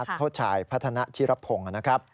เป็นนักโทษชายพัฒนะชิรพงศ์นะครับ